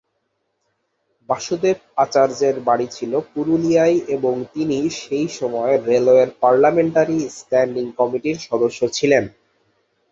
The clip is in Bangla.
বাসুদেব আচার্যের বাড়ি ছিল পুরুলিয়ায় এবং তিনি সেই সময়ের রেলওয়ের পার্লামেন্টারি স্ট্যান্ডিং কমিটির সদস্য ছিলেন।